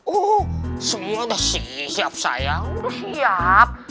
oh semua udah siap sayang udah siap